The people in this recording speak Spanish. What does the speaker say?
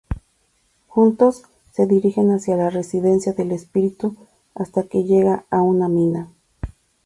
Juntos, se dirigen hacia la residencia del espíritu, hasta que llegan a una mina.